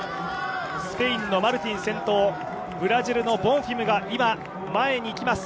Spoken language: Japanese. スペインのマルティン先頭ブラジルのボンフィムが今、前に行きます。